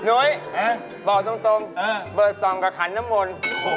หนุ๊ยบอกตรงเบอร์สองกับขันน้ำมน